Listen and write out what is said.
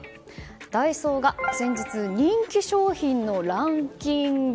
ダイソーが先日人気商品のランキング